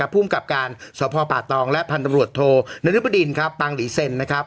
ผู้มกับการสพปาตองและผันธุรวจโทนริปดินปังหลีเซลล์